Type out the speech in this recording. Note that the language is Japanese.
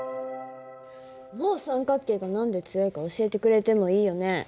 もう三角形が何で強いか教えてくれてもいいよね。